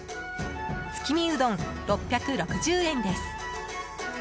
月見うどん、６６０円です。